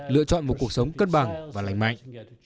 lựa chọn một cuộc sống cân bằng và lành mạnh